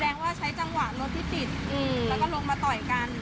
ว่าใช้จังหวะรถที่ติดแล้วก็ลงมาต่อยกัน